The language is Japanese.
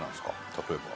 例えば。